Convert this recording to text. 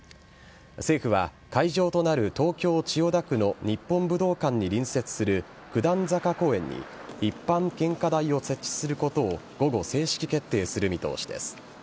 政府は会場となる東京・千代田区の日本武道館に隣接する九段坂公園に一般献花台を設置することを午後、正式決定する見通しです。